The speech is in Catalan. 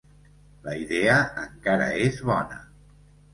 La idea encara és bona.